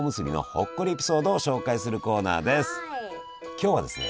今日はですね